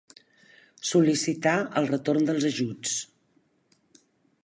Sol·licitar el retorn dels ajuts.